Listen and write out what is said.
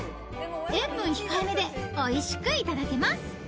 ［塩分控えめでおいしくいただけます］